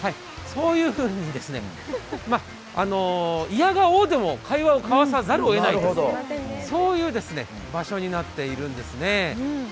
そういうふうにですね、いやが応でも会話を交わさざるを得ないという場所になっているんですね。